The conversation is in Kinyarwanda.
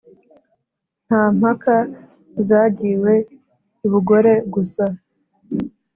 nta mpaka zagiwe i bugore-gusa